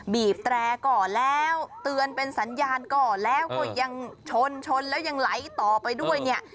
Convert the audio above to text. บีบแตรก่อแล้วเตือนเป็นสัญญาณก่อแล้วก็ยังชนชนแล้วยังไหลต่อไปด้วยเนี่ย